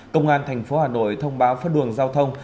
công an tp hà nội thông báo phát đường giao thông